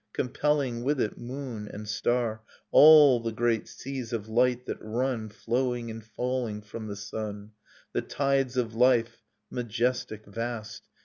Compelling with it moon and star; All the great seas of light that run Flowing and falling from the sun. The tides of life, majestic, vast.